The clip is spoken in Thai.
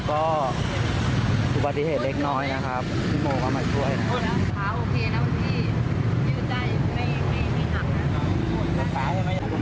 ก็อุบัติเหตุเล็กน้อยนะครับที่โมเข้ามาช่วยนะครับ